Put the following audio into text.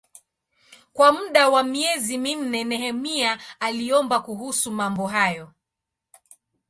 Kwa muda wa miezi minne Nehemia aliomba kuhusu mambo hayo.